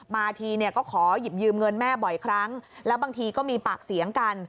มาทีเนี่ยก็ขอหยิบยืมเงินแม่บ่อยครั้งแล้วบางทีก็มีปากเสียงกัน